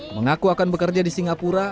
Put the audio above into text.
mengaku akan bekerja di singapura